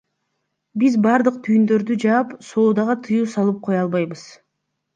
Биз бардык түйүндөрдү жаап, соодага тыюу салып кое албайбыз.